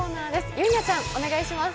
ゆいなちゃん、お願いします。